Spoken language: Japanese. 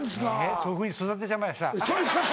そういうふうに育てちゃいました。